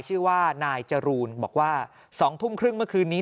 ชื่อว่านายจรูนบอกว่า๒ทุ่มครึ่งเมื่อคืนนี้